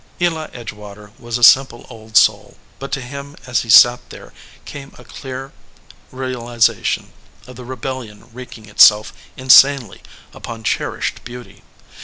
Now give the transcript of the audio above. Eli Edgewater was a simple old soul, but to him as he sat there came a clear realization of the rebellion wreaking itself insanely upon cher ished beauty.